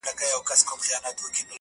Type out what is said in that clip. هسي نه هغه باور،